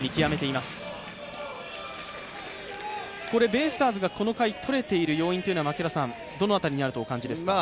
ベイスターズがこの回取れている要因というのは、どの辺りにあるとお感じですか？